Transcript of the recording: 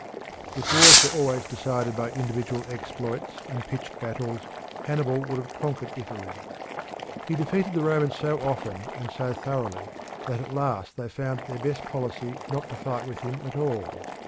If wars were always decided by individual exploits and pitched battles, Hannibal would have conquered Italy. He defeated the Romans so often and so thoroughly that at last they found it their best policy not to fight with him at all.